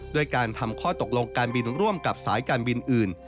ด้วยการทำข้อตกลงการบินร่วมกับสายการบินอื่น